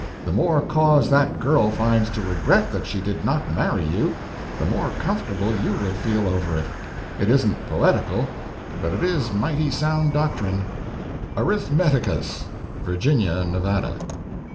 The more cause that girl finds to regret that she did not marry you, the more comfortable you will feel over it. It isn't poetical, but it is mighty sound doctrine. "ARITHMETICUS." Virginia, Nevada.